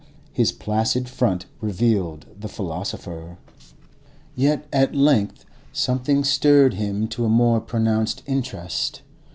His placid front revealed the philosopher. Yet at length something stirred him to a more pronounced interest.